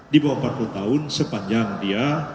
di bawah empat puluh tahun sepanjang dia